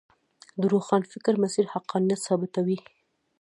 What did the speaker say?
د روښانفکرو مسیر حقانیت ثابتوي.